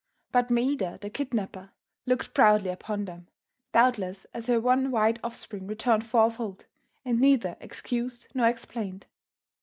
But Maida, the kidnapper, looked proudly upon them, doubtless as her one white offspring returned fourfold, and neither excused nor explained.